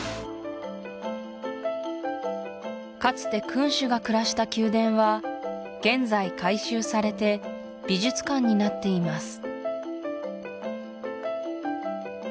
かつて君主が暮らした宮殿は現在改修されて美術館になっています